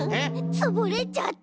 つぶれちゃった。